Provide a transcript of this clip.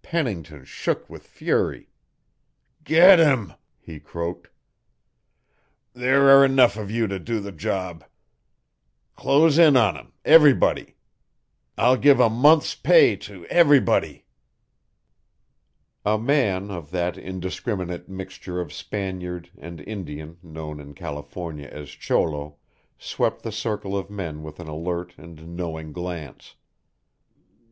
Pennington shook with fury. "Get him," he croaked. "There are enough of you to do the job. Close in on him everybody. I'll give a month's pay to everybody." A man of that indiscriminate mixture of Spaniard and Indian known in California as cholo swept the circle of men with an alert and knowing glance.